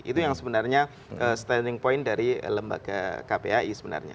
itu yang sebenarnya standing point dari lembaga kpai sebenarnya